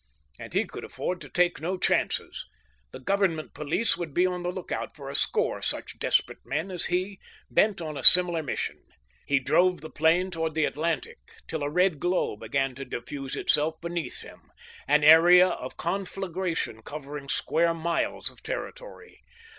And he could afford to take no chances. The Government police would be on the lookout for a score such desperate men as he, bent on a similar mission. He drove the plane toward the Atlantic till a red glow began to diffuse itself beneath him, an area of conflagration covering square miles of territory.